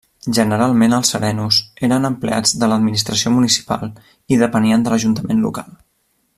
Generalment els serenos eren empleats de l'administració municipal i depenien de l'ajuntament local.